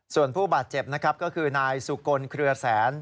ส่วนผู้บาดเจ็บนะครับก็คือนายสุกลเครือแสน